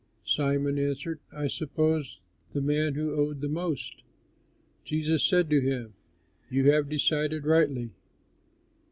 Simon answered, "I suppose the man who owed the most." Jesus said to him, "You have decided rightly."